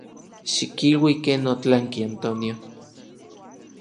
Xikilui ken otlanki Antonio.